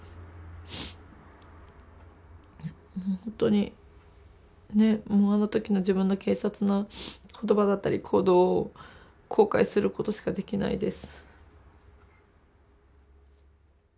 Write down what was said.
ほんとにあの時の自分の軽率な言葉だったり行動を後悔することしかできないです。